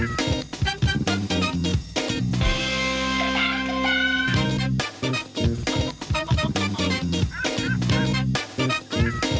สวัสดีครับ